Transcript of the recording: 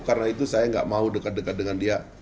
karena itu saya nggak mau dekat dekat dengan dia